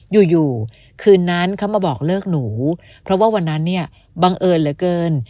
อยู่อยู่คืนนั้นเขามาบอกเลิกหนูเพราะว่าวันนั้นเนี่ยบังเอิญเหลือเกิน